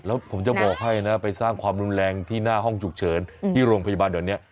แล้วผมจะบอกให้นะไปสร้างความรุนแรงที่หน้าห้องฉุกเฉินที่โรงพยาบาลแบบนี้